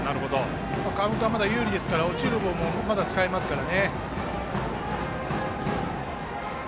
カウントはまだ有利ですから落ちるボールもまだ使えますから。